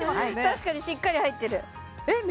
確かにしっかり入ってるえっ